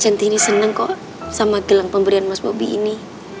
centini seneng kok sama gelang pemberian mas bubi ini